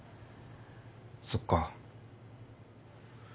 そっか。